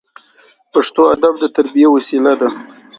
پښتو ادب د تربیې وسیله ده.